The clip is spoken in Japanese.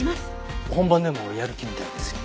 本番でもやる気みたいですよ。